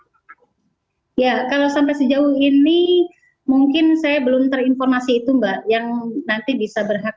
ya kalau sampai sejauh ini mungkin saya belum terinformasi itu mbak yang nanti bisa berhak